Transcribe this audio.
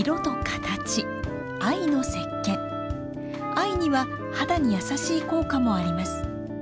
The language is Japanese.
藍には肌に優しい効果もあります。